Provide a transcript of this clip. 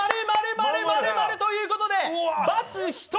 ○、○、○、○ということで×が１人。